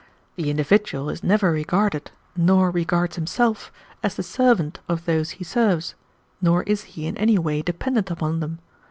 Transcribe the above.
The individual is never regarded, nor regards himself, as the servant of those he serves, nor is he in any way dependent upon them.